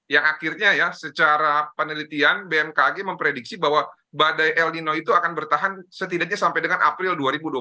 yang akhirnya ya secara penelitian bmkg memprediksi bahwa badai el nino itu akan bertahan setidaknya sampai dengan april dua ribu dua puluh satu